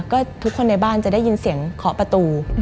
ก็ทุกคนในบ้านจะได้ยินเสียงเคาะประตู